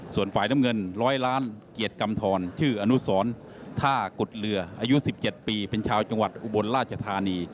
ส่วนฝ่ายน้ำเงินร้อยล้านเกียรติกำทรชื่ออนุสรท่ากุฎเรืออายุ๑๗ปีเป็นชาวจังหวัดอุบลราชธานี